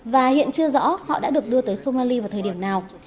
và hiện chưa rõ họ đã được đưa tới somali vào thời điểm nào